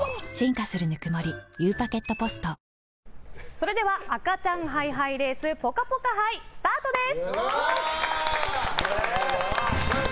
それでは赤ちゃんハイハイレースぽかぽか杯スタートです！